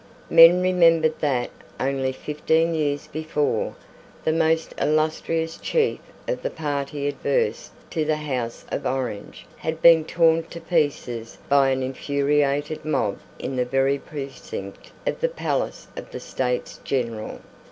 Men remembered that, only fifteen years before, the most illustrious chief of the party adverse to the House of Orange had been torn to pieces by an infuriated mob in the very precinct of the palace of the States General.